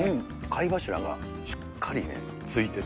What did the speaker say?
貝柱がしっかりね、ついてて。